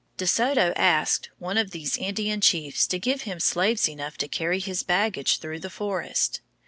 De Soto asked one of these Indian chiefs to give him slaves enough to carry his baggage through the forest.